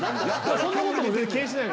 そんなことも気にしない。